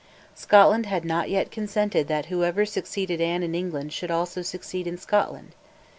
Scotland had not yet consented that whoever succeeded Anne in England should also succeed in Scotland.